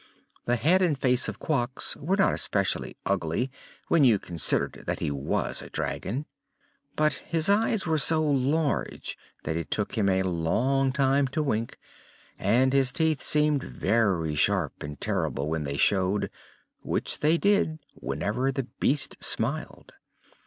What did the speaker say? The head and face of Quox were not especially ugly, when you consider that he was a dragon; but his eyes were so large that it took him a long time to wink and his teeth seemed very sharp and terrible when they showed, which they did whenever the beast smiled.